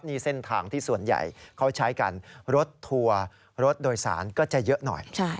นี่เส้นทางที่ส่วนใหญ่เขาใช้กันรถทัวร์รถโดยสารก็จะเยอะหน่อย